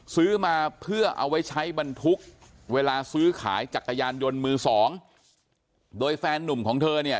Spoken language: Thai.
ซื้อมาเพื่อเอาไว้ใช้บรรทุกเวลาซื้อขายจักรยานยนต์มือสองโดยแฟนนุ่มของเธอเนี่ย